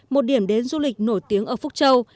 một điểm đến du lịch nổi tiếng ở phúc châu